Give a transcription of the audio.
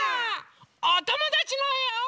おともだちのえを。